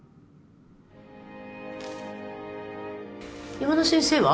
山田先生は？